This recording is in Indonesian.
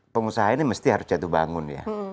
pengusaha ini mesti harus jatuh bangun ya